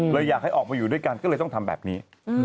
อยากให้ออกมาอยู่ด้วยกันก็เลยต้องทำแบบนี้